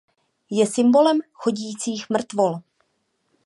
Je symbolem chodících mrtvol.